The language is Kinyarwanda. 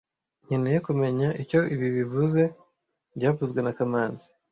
Nkeneye kumenya icyo ibi bivuze byavuzwe na kamanzi